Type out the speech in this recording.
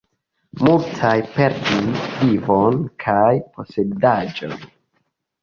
Multaj perdis vivon kaj posedaĵon.